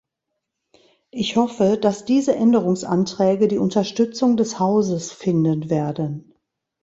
Ich hoffe, dass diese Änderungsanträge die Unterstützung des Hauses finden werden.